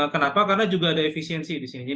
kenapa karena juga ada efisiensi di sini